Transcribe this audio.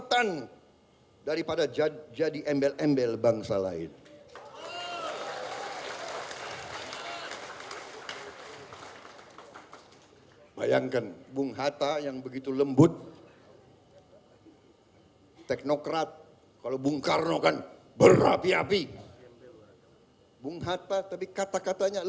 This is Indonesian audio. karena ini ulang tahun